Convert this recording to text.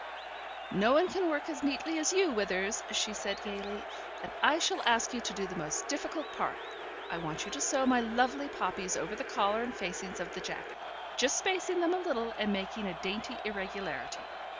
... "No one can work as neatly as you, Withers," she said gaily, "and I shall ask you to do the most difficult part. I want you to sew my lovely poppies over the collar and facings of the jacket, just spacing them a little and making a dainty irregularity.